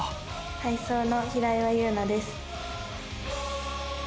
体操の平岩優奈です。